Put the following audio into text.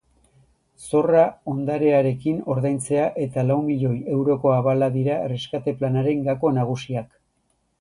Zorra ondarearekin ordaintzea eta lau milioi euroko abala dira erreskate planaren gako nagusiak.